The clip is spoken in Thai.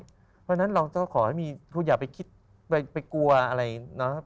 เพราะฉะนั้นเราจะขอให้มีอย่าไปคิดไปกลัวอะไรนะ